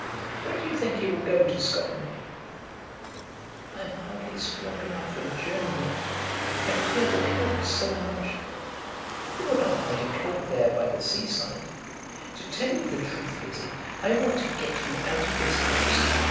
When do you think you will go to Scotland?" "I am hardly strong enough for the journey yet. I fear the cold so much." "You would not find it cold there by the sea side. To tell you the truth, Lizzie, I want to get you out of this house.